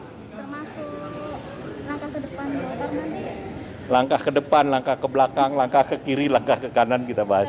langkah ke depan langkah ke depan langkah ke belakang langkah ke kiri langkah ke kanan kita bahas